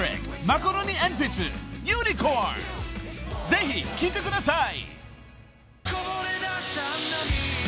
［ぜひ来てください］